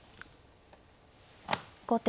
後手